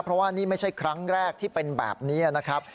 เพราะว่านี่ไม่ใช่ครั้งแรกที่เป็นแบบนี้นะครับ